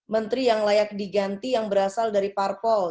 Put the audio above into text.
menteri yang layak diganti yang berasal dari parpol